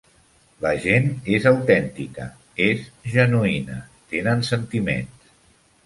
La gent és autèntica, és genuïna, tenen sentiments.